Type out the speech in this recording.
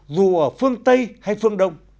dù ở phương tây hay phương đông